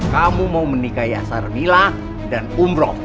kamu mau menikahi asar mila dan umroh